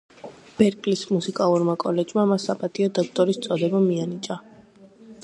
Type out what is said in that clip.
ბერკლის მუსიკალურმა კოლეჯმა მას საპატიო დოქტორის წოდება მიანიჭა.